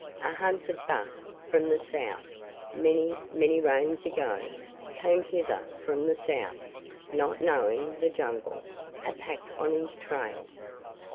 A hunted buck from the south, many, many Rains ago, came hither from the south, not knowing the Jungle, a Pack on his trail.